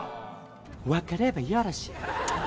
「分かればよろしい」